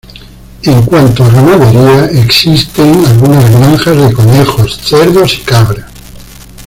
En cuanto a ganadería, existen algunas granjas de conejos, cerdos y cabras.